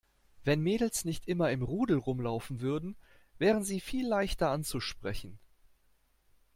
Wenn Mädels nicht immer im Rudel rumlaufen würden, wären sie viel leichter anzusprechen.